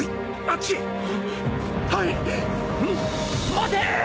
待て！